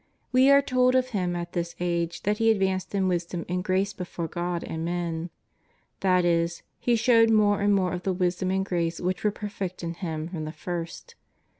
We are told of Him at this age that He advanced in wis dom and grace before God and men ; that is. He showed more and more of the wisdom and grace which were per fect in Him from the first.